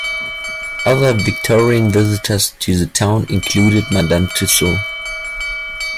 Other Victorian visitors to the town included Madame Tussaud.